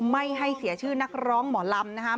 ไม่ให้เสียชื่อนักร้องหมอลำนะครับ